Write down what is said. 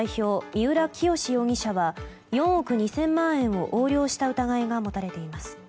三浦清志容疑者は４億２０００万円を横領した疑いが持たれています。